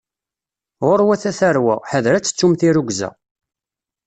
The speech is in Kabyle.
Ɣurwet a tarwa, ḥader ad tettum tirrugza.